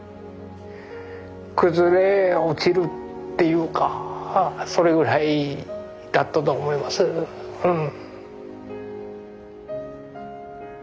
崩れ落ちるっていうかそれぐらいだったと思いますうん。